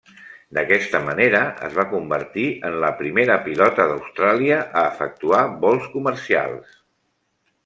D'aquesta manera, es va convertir en la primera pilota d'Austràlia a efectuar vols comercials.